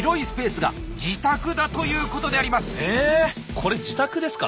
これ自宅ですか？